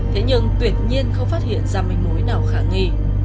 thế nhưng tuyệt nhiên không phát hiện ra manh mối nào khả nghi